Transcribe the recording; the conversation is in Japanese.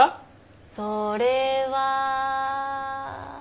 それは。